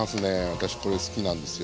私これ好きなんですよ。